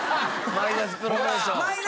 マイナスプロモーション。